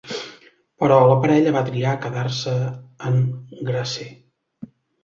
Però la parella va triar quedar-se en Grasse.